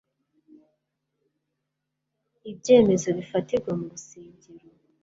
ibyemezo bifatirwa mu rusengero